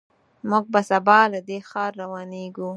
موږ به سبا له دې ښار روانېږو.